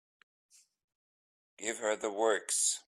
Give her the works.